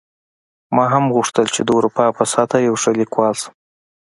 ما هم غوښتل چې د اروپا په سطحه یو ښه لیکوال شم